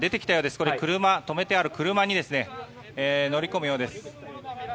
これ、止めてある車に乗り込むようです。